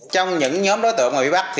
trong những nhóm đối tượng ngồi bắt